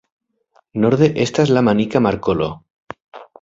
Norde estas la Manika Markolo.